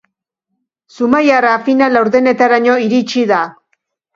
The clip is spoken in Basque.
Zumaiarra final laurdenetaraino iritsi da.